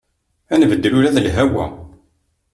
Ad nbeddel ula d lhawa.